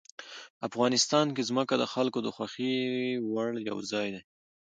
افغانستان کې ځمکه د خلکو د خوښې وړ یو ځای دی.